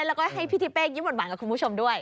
แล้วก็ให้พี่ทิเป้ยิ้มบทบาทกับคุณผู้ชมด้วย